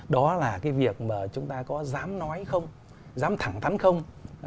đó là cái việc mà chúng ta có dám nói không dám thẳng thắn không